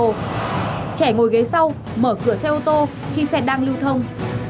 trẻ ngồi ghế sau mở cửa xe ô tô khi xe đang lưu thông